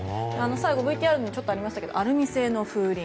最後、ＶＴＲにもありましたがアルミ製の風鈴。